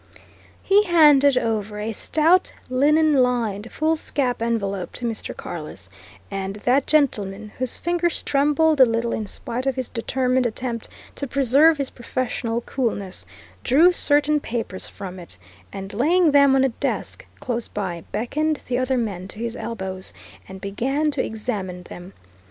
He handed over a stout linen lined foolscap envelope to Mr. Carless, and that gentleman, whose fingers trembled a little in spite of his determined attempt to preserve his professional coolness, drew certain papers from it, and laying them on a desk close by, beckoned the other men to his elbows, and began to examine them.